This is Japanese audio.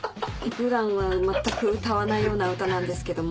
普段は全く歌わないような歌なんですけども。